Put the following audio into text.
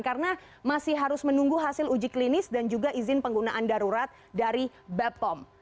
karena masih harus menunggu hasil uji klinis dan juga izin penggunaan darurat dari bepom